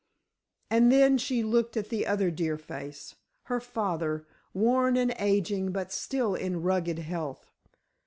And then she looked at the other dear face. Her father, worn and aging, but still in rugged health.